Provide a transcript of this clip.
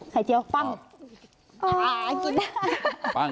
ไข่เจ๋วปั้ง